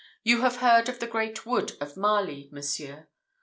You have heard of the great wood of Marly, monsieur?